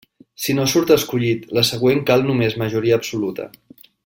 Si no surt escollit, la següent cal només majoria absoluta.